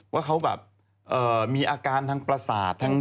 ว่าเขามีอาการทั้งประสาททั้งจิต